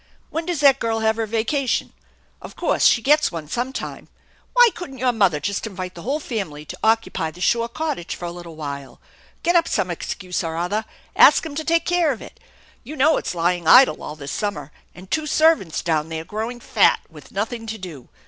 When does that girl have her vacation? Of course she gets one some time. Why couldn't your mother just invite the whole family to occupy the shore cottage for a little while, get up some excuse or other, ask 'em to take care of it? You know it's lying idle all this summer, and two servants down there growing fat with nothing to do.